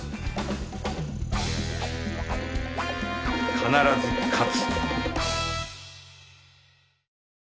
必ず勝つ。